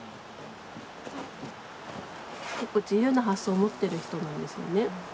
結構自由な発想を持ってる人なんですよね。